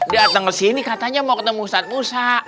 datang ke sini katanya mau ketemu ustadz musa